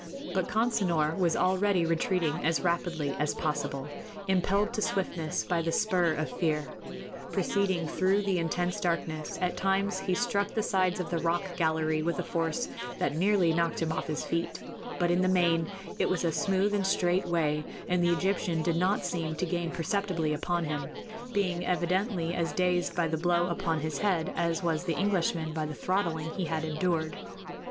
But Consinor was already retreating as rapidly as possible, impelled to swiftness by the spur of fear. Proceeding through the intense darkness, at times he struck the sides of the rocky gallery with a force that nearly knocked him off his feet; but in the main it was a smooth and straight way, and the Egyptian did not seem to gain perceptibly upon him, being evidently as dazed by the blow upon his head as was the Englishman by the throttling he had endured.